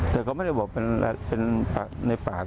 แต่เขาไม่ได้บอกเป็นในปาก